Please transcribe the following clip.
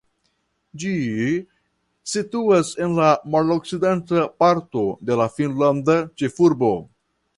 Ĝi situas en la malokcidenta parto de la finnlanda ĉefurbo.